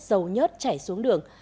vết dấu nhất chảy xuống đường